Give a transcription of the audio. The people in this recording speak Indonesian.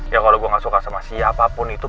ya kalau gue gak suka sama siapapun itu